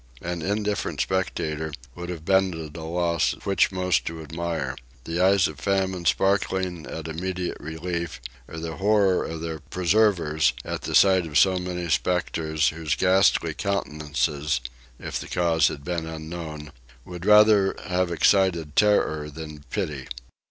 An indifferent spectator would have been at a loss which most to admire, the eyes of famine sparkling at immediate relief, or the horror of their preservers at the sight of so many spectres, whose ghastly countenances, if the cause had been unknown, would rather have excited terror than pity.